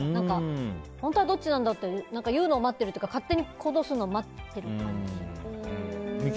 本当はどっちなんだって言うのを待ってるっていうか勝手に行動するのは待っている感じがする。